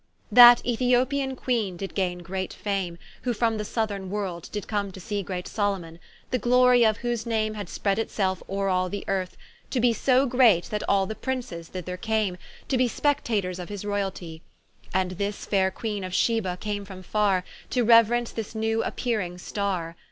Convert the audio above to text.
That Ethyopian Queene did gaine great fame, Who from the Southerne world, did come to see Great Salomon; the glory of whose name Had spread it selfe ore all the earth, to be So great, that all the Princes thither came, To be spectators of his royaltie: And this faire Queene of Sheba came from farre, To reuerence this new appearing starre.